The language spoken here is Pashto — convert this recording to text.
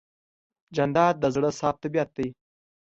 جانداد د زړه صاف طبیعت دی.